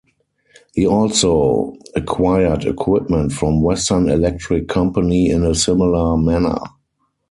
He also acquired equipment from Western Electric Company in a similar manner.